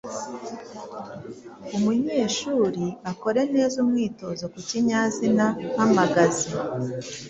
Umunyeshuri akore neza umwitozo ku kinyazina mpamagazi.